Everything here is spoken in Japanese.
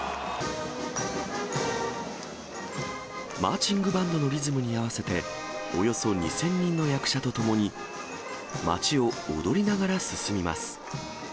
マーチングバンドのリズムに合わせて、およそ２０００人の役者と共に、町を踊りながら進みます。